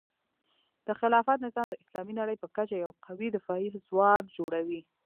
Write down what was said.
د خلافت نظام د اسلامي نړۍ په کچه یو قوي دفاعي ځواک جوړوي.